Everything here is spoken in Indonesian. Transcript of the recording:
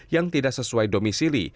yang tidak sesuai domisili